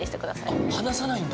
あっ離さないんだ。